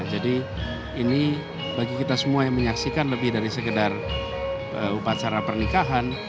jadi ini bagi kita semua yang menyaksikan lebih dari sekedar upacara pernikahan